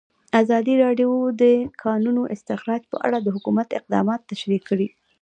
ازادي راډیو د د کانونو استخراج په اړه د حکومت اقدامات تشریح کړي.